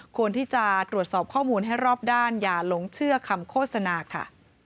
ควรที่จะตรวจสอบข้อมูลให้รอบด้านอย่าหลงเชื่อคำโฆษณาค่ะ